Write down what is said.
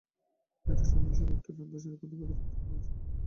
একটু সামনে সড়কটির ডান পাশের ফুটপাতের ওপর রাখা হয়েছে সারি সারি রিকশা।